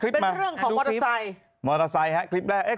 เป็นเรื่องของมอเตอร์ไซค์